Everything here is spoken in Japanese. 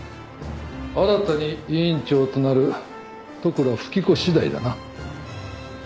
新たに委員長となる利倉富貴子次第だな。